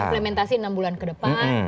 implementasi enam bulan ke depan